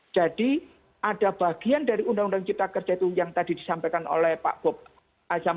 jadi ada bagian dari undang undang cipta kerja itu yang tadi disampaikan oleh pak bob azam